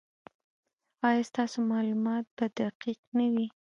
ایا ستاسو معلومات به دقیق نه وي؟